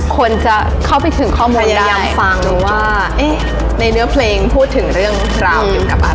คนจะเข้าไปถึงข้อมูลอย่างยามฟัง